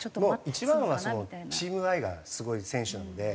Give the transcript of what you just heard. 一番はチーム愛がすごい選手なので。